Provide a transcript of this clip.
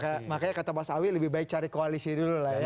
jadi makanya kata pak sawi lebih baik cari koalisi dulu lah ya